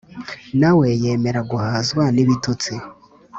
Nawe yemera guhazwa n’ibitutsi,